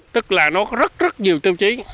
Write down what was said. tức là nó có rất rất nhiều tiêu chí